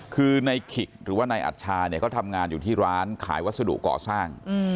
คือในขิกหรือว่านายอัชชาเนี่ยเขาทำงานอยู่ที่ร้านขายวัสดุก่อสร้าง